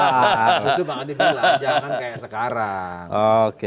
bisa bang adi bilang jangan seperti sekarang